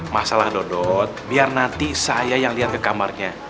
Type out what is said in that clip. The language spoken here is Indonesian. masalah dodot biar nanti saya yang lihat ke kamarnya